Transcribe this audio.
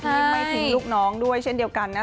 ไม่ทิ้งลูกน้องด้วยเช่นเดียวกันนะ